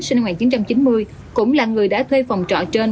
sinh năm một nghìn chín trăm chín mươi cũng là người đã thuê phòng trọ trên